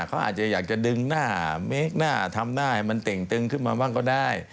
เขาอาจจะอยากจะดึงหน้าเมคหน้าทำได้มันเต่งตึงขึ้นมาบ้างก็ได้